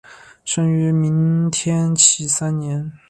生于明天启三年。